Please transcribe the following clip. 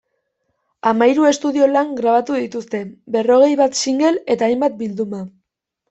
Hamahiru estudio-lan grabatu dituzte, berrogei bat single eta hainbat bilduma.